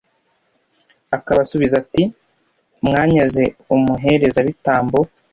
akabasubiza ati mwanyaze umuherezabitambo